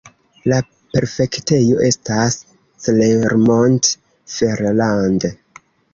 La prefektejo estas Clermont-Ferrand.